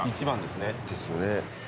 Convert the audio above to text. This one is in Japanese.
１番ですね。